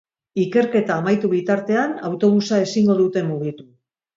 Ikerketa amaitu bitartean, autobusa ezingo dute mugitu.